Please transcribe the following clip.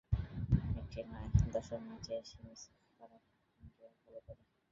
একটি নয়, দশম ম্যাচে এসে মেসি খরা কাটালেন জোড়া গোল করে।